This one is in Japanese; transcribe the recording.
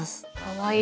はい。